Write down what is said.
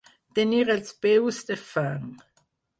Tenir els peus de fang.